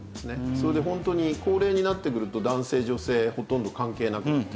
それでホントに高齢になってくると男性女性ほとんど関係なくなってくる。